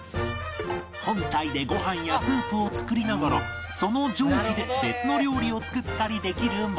本体でご飯やスープを作りながらその蒸気で別の料理を作ったりできるもの